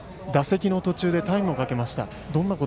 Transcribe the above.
打席の途中でタイムをかけました。